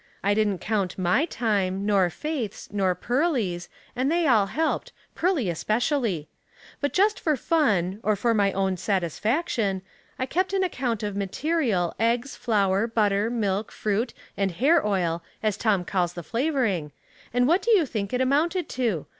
I didn't count my time, nor Faith's, nor Pearly's, and they all helped, Pearly especially ; but just 268 Household Puzzles. for fun, or for my own satisfaction, I kept an ac count of material, eggs, flour, butter, milk, fruit, and hair oil, as Tom calls the flavoring, and what do you think it amounted to